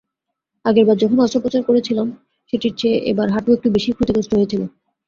আগেরবার যখন অস্ত্রোপচার করিয়েছিলাম, সেটির চেয়ে এবার হাঁটু একটু বেশিই ক্ষতিগ্রস্ত হয়েছিল।